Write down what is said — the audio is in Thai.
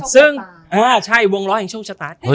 ซึ่งว่าใช่วงร้อยโชคชตา